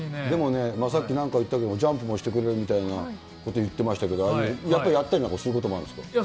でもね、さっきなんか言ったけど、ジャンプもしてくれるみたいなこと言ってましたけど、やっぱりやったりなんかすることもあるんですか？